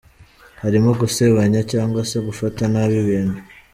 Harimo gusebanya cyangwa se gufata nabi ibintu.